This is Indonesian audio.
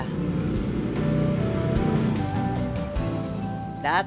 dateng atu ke rumah